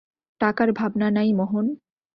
টাকার ভাবনা নাই, মোহন।